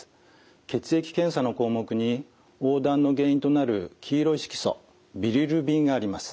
血液検査の項目に黄だんの原因となる黄色い色素ビリルビンがあります。